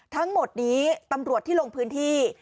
ทั้งหมดนี้ตำรวจที่ลงพื้นที่